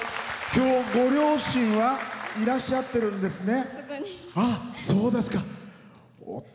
今日、ご両親はいらっしゃっているんですね？